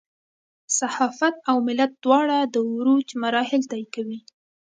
صحافت او ملت دواړه د عروج مراحل طی کوي.